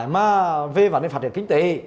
mà về phát triển kinh tế